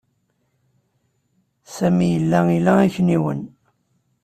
Sami yella ila akniwen.